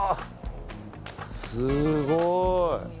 すごい。